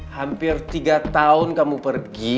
hampir tiga tahun kamu pergi